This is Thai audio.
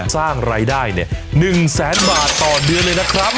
สร้างรายได้เนี่ย๑๐๐๐๐๐บาทต่อเดือนเลยนะครับ